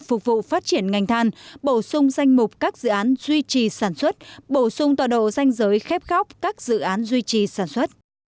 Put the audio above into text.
phục vụ phát triển ngành than bổ sung danh mục các dự án duy trì sản xuất bổ sung tọa độ danh giới khép các dự án duy trì sản xuất